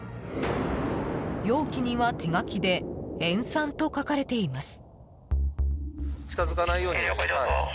容器には、手書きで「塩酸」と書かれています。